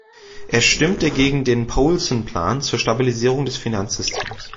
Er stimmte gegen den Paulson-Plan zur Stabilisierung des Finanzsystems.